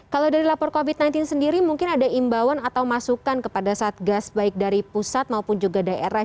kalau dari lapor covid sembilan belas sendiri mungkin ada imbauan atau masukan kepada satgas baik dari pusat maupun juga daerah